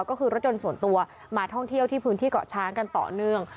ก็คือรถยนต์ส่วนตัวมาท่องเที่ยวที่พื้นที่เกาะช้างกันต่อเนื่อง